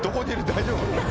大丈夫？